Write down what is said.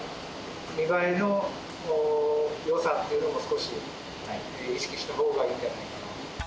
見栄えのよさっていうのも少し意識したほうがいいんじゃないかな。